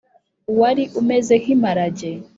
Wari umeze nk imparagee